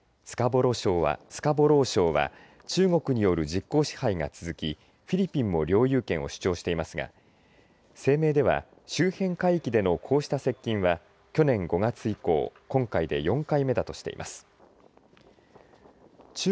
スカボロー礁は中国による実効支配が続きフィリピンも領有権を主張していますが声明では周辺海域でのこうした接近は去年５月以降今回で４回目だとしています。